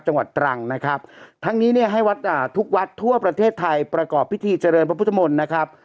จังหวัดตรังนะครับทั้งนี้เนี่ยให้วัดอ่าทุกวัดทั่วประเทศไทยประกอบพิธีเจริญพระพุทธมนตร์นะครับ